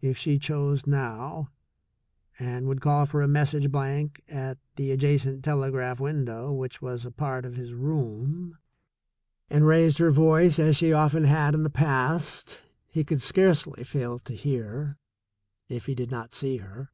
If she chose now, and would call for a message blank at the adjacent telegraph window which was a part of his room, and raised her voice as she often had in the past, he could scarcely fail to hear, if he did not see her.